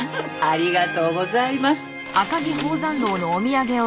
ありがとうございます。